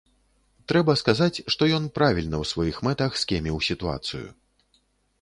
Трэба сказаць, што ён правільна ў сваіх мэтах скеміў сітуацыю.